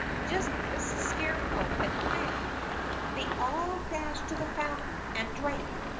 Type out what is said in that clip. Just as the Scarecrow had planned, they all dashed to the fountain and drank.